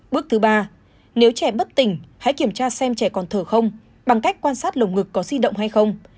bước thứ ba nếu trẻ bất tỉnh hãy kiểm tra xem trẻ còn thở không bằng cách quan sát lồng ngực có di động hay không